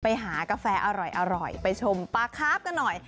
ไปหากาแฟอร่อยไปชมปลาคาร์ฟกันหน่อย